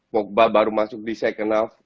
pogba baru masuk di second of